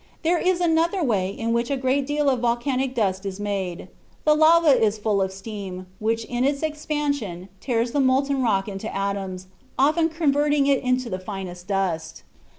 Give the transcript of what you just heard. There is another way in which a great deal of volcanic dust is made; the lava is full of steam, which in its expansion tears the molten rock into atoms, often converting it into the finest dust.